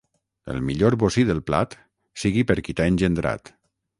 El millor bocí del plat sigui per qui t'ha engendrat.